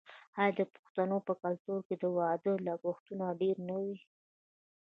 آیا د پښتنو په کلتور کې د واده لګښتونه ډیر نه وي؟